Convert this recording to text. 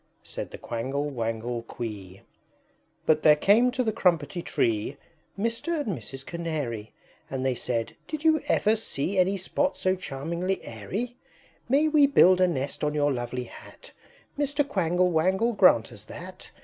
Said the Quangle Wangle Quee. III. But there came to the Crumpetty Tree Mr. and Mrs. Canary; And they said, "Did ever you see Any spot so charmingly airy? May we build a nest on your lovely Hat? Mr. Quangle Wangle, grant us that!